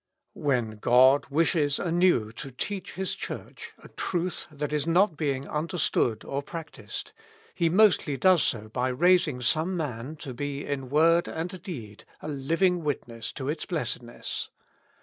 WH:EN God wishes anew to teach His Church a truth that is not being understood or practised, He mostly does so by raising some man to be iu word and deed a living witness to its blessedness.